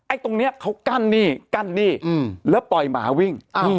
ตรงนี้เขากั้นนี่กั้นนี่แล้วปล่อยหมาวิ่ง